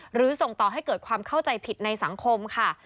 หรือส่งต่อให้เกิดความเข้าใจผิดในสังคมค่ะ